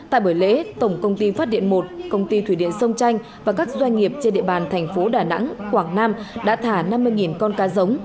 tại buổi lễ tổng công ty phát điện một công ty thủy điện sông chanh và các doanh nghiệp trên địa bàn thành phố đà nẵng quảng nam đã thả năm mươi con cá giống